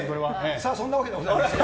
さあ、そんなわけでございまして。